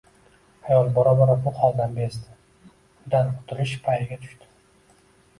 Ayol bora-bora bu holdan bezdi, undan qutulish payiga tushdi